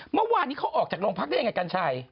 เมื่อวานนี้เขาออกจากโรงพักได้ยังไงกัญชัย